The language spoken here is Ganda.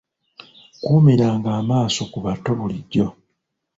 Kuumiranga amaaso ku bato bulijjo.